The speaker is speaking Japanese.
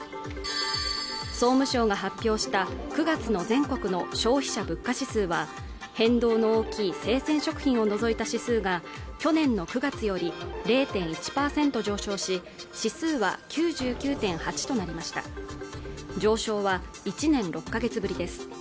総務省が発表した９月の全国の消費者物価指数は変動の大きい生鮮食品を除いた指数が去年の９月より０．１％上昇し指数は９９．８となりました上昇は１年６か月ぶりです